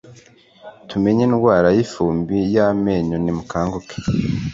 Tumenye indwara y ifumbi y amenyo Nimukanguke